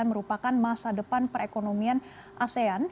untuk memperbaiki masa depan perekonomian asean